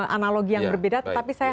analogi yang berbeda tetapi saya